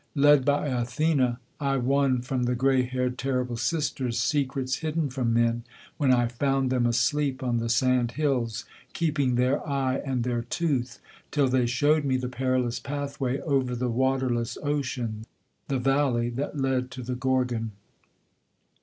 Led by Athene I won from the gray haired terrible sisters Secrets hidden from men, when I found them asleep on the sand hills, Keeping their eye and their tooth, till they showed me the perilous pathway Over the waterless ocean, the valley that led to the Gorgon.